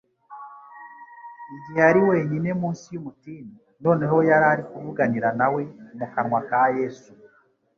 igihe yari wenyine munsi y'umutini, noneho yari ari kuvuganira nawe mu kanwa ka Yesu.